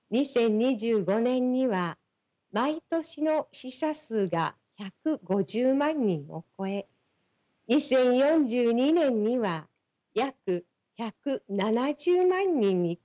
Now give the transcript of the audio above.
２０２５年には毎年の死者数が１５０万人を超え２０４２年には約１７０万人に達するとの予測がございます。